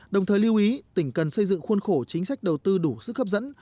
đồng thời lưu ý tỉnh cần xây dựng khuôn khổ chính sách đầu tư đủ sức hấp dẫn